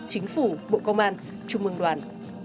chính phủ bộ công an chung ương đoàn